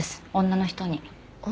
女の人に？